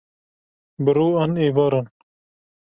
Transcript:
bi ro an êvaran